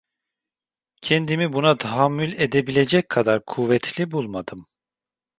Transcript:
Kendimi buna tahammül edebilecek kadar kuvvetli bulmadım.